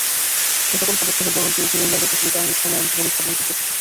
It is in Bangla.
এ সকল পদক্ষেপের দরুন ধীরে ধীরে ইংল্যান্ডের প্রচলিত আইন ইসলামী আইনকে প্রতিস্থাপন করতে থাকে।